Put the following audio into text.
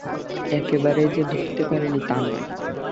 একেবারেই যে ধরতে পারি নি, তা নয়।